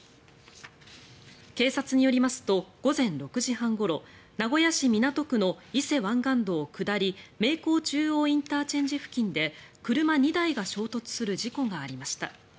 警察によりますと午前６時半ごろ名古屋市港区の伊勢湾岸道下り名港中央ＩＣ付近で車２台が衝突する事故がありました。